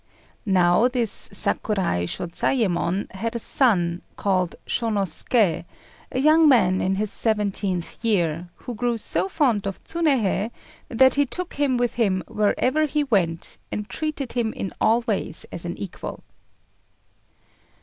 Now this Sakurai Shôzayémon had a son, called Shônosuké, a young man in his seventeenth year, who grew so fond of Tsunéhei that he took him with him wherever he went, and treated him in all ways as an equal.